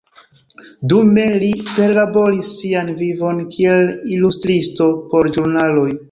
Dume li perlaboris sian vivon kiel ilustristo por ĵurnaloj.